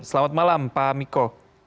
selamat malam pak miko